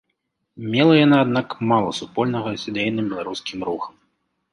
Мела яна, аднак, мала супольнага з ідэйным беларускім рухам.